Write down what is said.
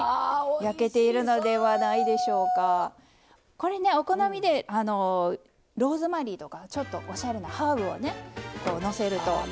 これねお好みでローズマリーとかちょっとおしゃれなハーブをのせると。